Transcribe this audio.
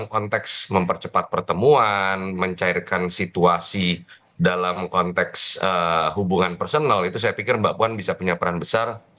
konteks mempercepat pertemuan mencairkan situasi dalam konteks hubungan personal itu saya pikir mbak puan bisa punya peran besar